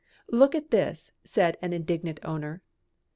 "Look at this," said an indignant owner.